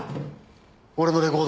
俺のレコード。